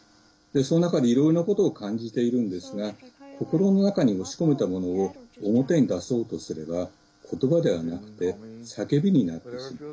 その中に、いろいろなことを感じているんですが心の中に押し込めたものを表に出そうとすればことばではなくて叫びになってしまう。